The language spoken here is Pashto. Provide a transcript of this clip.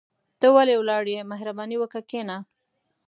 ته ولي ولاړ يى مهرباني وکاه کشينه